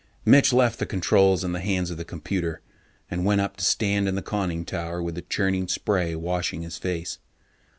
_ Mitch left the controls in the hands of the computer and went up to stand in the conning tower with the churning spray washing his face.